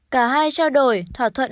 cả hai trao đổi thỏa thuận